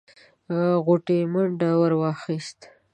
غوټۍ منډه ور واخيسته.